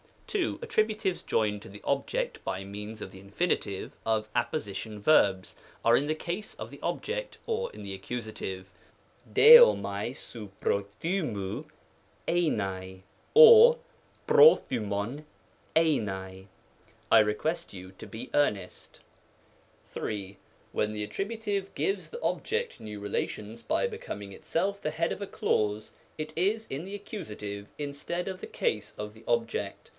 2. Attributives joined to the object by means of the Infin. of Apposition verbs, are in the case of the object, or in the Accus. Ex.^ Sao/xac oov nQoO^vfMOv tivcu^ or, TtQo&vf^ov ilvac^ " I request you to be ear nest." 3. When the Attributive gives the object new re lations by becoming itself the head of a clause, it is in the Accus. . instead of the case of the object.